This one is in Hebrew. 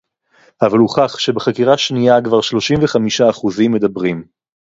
אבל הוכח שבחקירה שנייה כבר שלושים וחמישה אחוזים מדברים